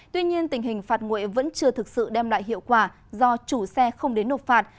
tuy nhiên tình hình phạt nguội vẫn chưa thực sự đem lại hiệu quả do chủ xe không đến nộp phạt